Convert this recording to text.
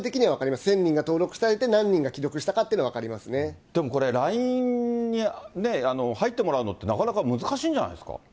１０００人が登録されて何人が既読したかっていうのは分かりますでもこれ、ＬＩＮＥに入ってもらうのって、なかなか難しいんじゃないんですか。